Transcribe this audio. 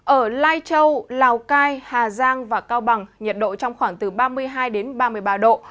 ở lai châu lào cai hà giang và cao bằng nhiệt độ trong khoảng từ ba mươi hai đến ba mươi ba độ